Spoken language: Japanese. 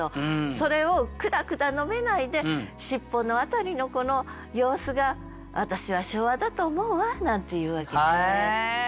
それをくだくだ述べないで「しっぽのあたりのこの様子が私は昭和だと思うわ」なんていうわけです。